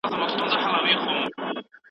ډېر چاڼ د لوړ ږغ سره دلته را نه وړل سو.